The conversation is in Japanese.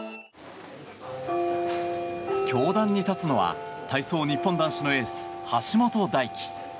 教壇に立つのは体操日本男子のエース橋本大輝。